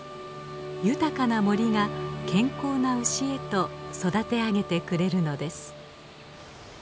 豊かな森が健康な牛へと育てあげてくれるのです。